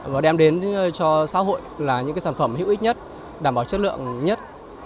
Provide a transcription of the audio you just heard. và đem đến cho xã hội là những sản phẩm hữu ích nhất đảm bảo chất lượng nhất